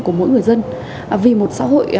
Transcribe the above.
của mỗi người dân vì một xã hội